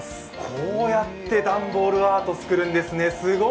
こうやって段ボールアート作るんですね！